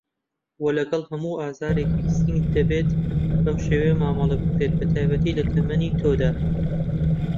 وه لەگەڵ هەموو ئازارێکی سنگ دەبێت بەم شێوەیە مامەڵه بکرێت بەتایبەت لە تەمەنی تۆدا